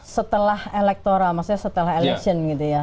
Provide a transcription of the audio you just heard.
setelah elektoral maksudnya setelah election gitu ya